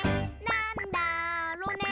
なんだろね。